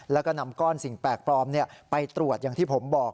แล้วก็นำก้อนสิ่งแปลกปลอมไปตรวจอย่างที่ผมบอก